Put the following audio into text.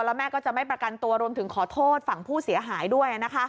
แล้วแม่ก็จะไม่ประกันตัวรวมถึงขอโทษฝั่งผู้เสียหายด้วย